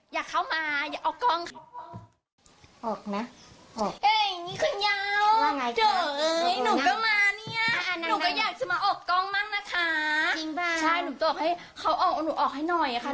หนูต้องออกให้เขาออกหนูออกให้หน่อยค่ะ